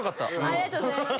ありがとうございます。